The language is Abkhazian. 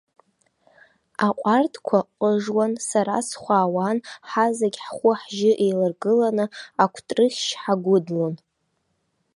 Аҟәарҭқәа ҟыжуан, сара схәаауан, ҳазегь ҳхәы-ҳжьы еиларгыланы акәтрыхьшь ҳагәыдлон.